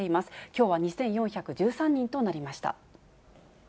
きょうは２４１３人となりました。